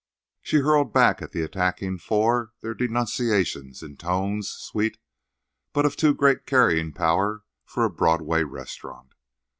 She hurled back at the attacking four their denunciations in tones sweet, but of too great carrying power for a Broadway restaurant.